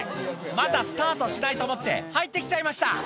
まだスタートしないと思って、入ってきちゃいました。